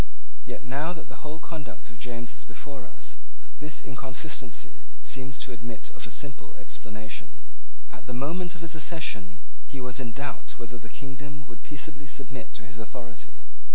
Yet, now that the whole conduct of James is before us, this inconsistency seems to admit of a simple explanation. At the moment of his accession he was in doubt whether the kingdom would peaceably submit to his authority.